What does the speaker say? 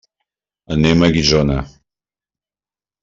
Anem a Guissona.